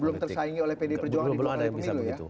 dan belum tersaingi oleh pd perjuangan di partai pemilu ya